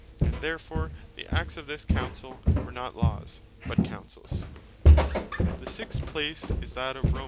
And therefore the Acts of this Councell, were not Laws, but Counsells. The sixt place is that of Rom.